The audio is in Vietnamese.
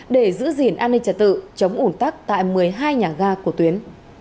để giữ gìn an ninh trật tự chống ủn tắc tại một mươi hai nhà ga của tuyến